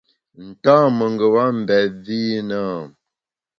Nta mengeba mbèt vi i na?